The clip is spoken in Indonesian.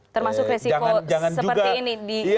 termasuk risiko seperti ini